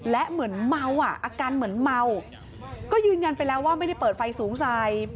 และเหมือนเมาอ่ะอาการเหมือนเมาก็ยืนยันไปแล้วว่าไม่ได้เปิดไฟสูงใส